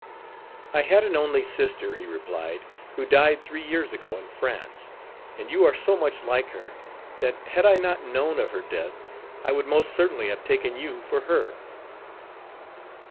'I had an only sister,' he replied, 'who died three years ago in France, and you are so much like her, that had I not known of her death, I would most certainly have taken you for her.'